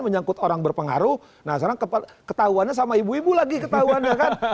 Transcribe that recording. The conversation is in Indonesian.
menyangkut orang berpengaruh nah sekarang ketahuannya sama ibu ibu lagi ketahuannya kan